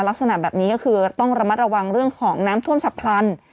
ลักษณะแบบนี้ก็คือต้องระมัดระวังเรื่องของน้ำท่วมฉับพลัน